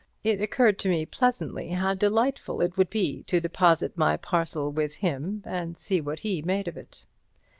It occurred to me pleasantly how delightful it would be to deposit my parcel with him and see what he made of it.